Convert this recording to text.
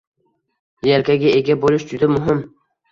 Yelkaga ega bo'lish juda muhim